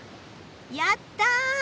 やった！